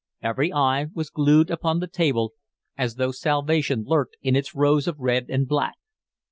Every eye was glued upon the table as though salvation lurked in its rows of red and black.